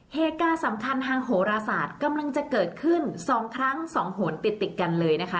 เหตุการณ์สำคัญทางโหรศาสตร์กำลังจะเกิดขึ้น๒ครั้ง๒หนติดติดกันเลยนะคะ